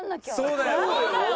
そうだよ。